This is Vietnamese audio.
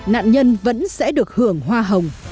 nạn nhân vẫn sẽ được hưởng hoa hồng